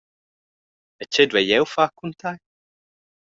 E tgei duei jeu far cun tei?